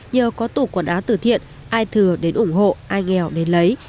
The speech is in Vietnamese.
nhờ có tủ quần áo từ thiện ai thừa đến ủng hộ ai nghèo đến lấy